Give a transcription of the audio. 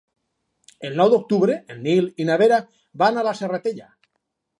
El nou d'octubre en Nil i na Vera van a la Serratella.